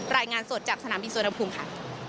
รายงานสดจากสนามพิษวนภูมิค่ะ